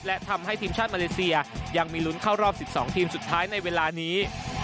และทำให้ทีมชาติมาเลเซียยังมีลุ้นเข้ารอบ๑๒ทีมสุดท้ายในเวลานี้